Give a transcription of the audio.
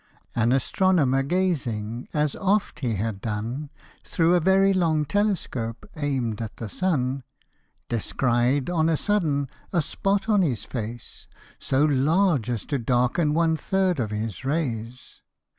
AN astronomer gazing, as oft he had done, Through a very long telescope aim'd at the sun, Descried, on a sudden, a spot on his face, So large as to darken one third of his rays